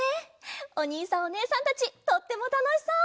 おにいさんおねえさんたちとってもたのしそう！